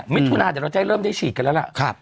มิถุนาเดี๋ยวเราจะเริ่มได้ฉีดกันแล้วล่ะ